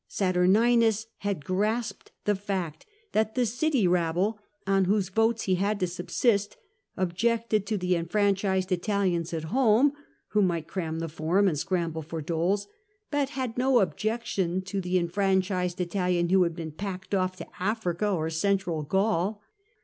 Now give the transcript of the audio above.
Saturninus had grasped the fact that the city rabble, on whose votes he had to subsist, objected to the enfranchised Italians at home, who might cram the Forum and scramble for doles, but had no objection to the enfranchised Italian who had been packed oif to Africa or Central Gaul.